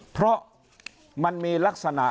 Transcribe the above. เพราะมันมีลักษณะ